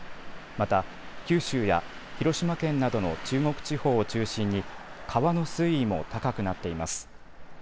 また九州や広島県などの中国地方を中心に川の水位も高くなっています。